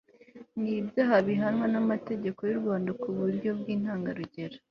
ni ibyaha bi hanwa n'amategeko y'urwanda ku buryo bw'intangarugero